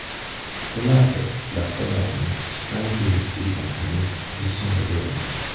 The latter left alone, sprang to his feet and commenced jjacing the room.